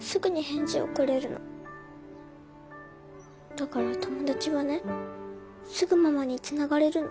だから友達はねすぐママにつながれるの。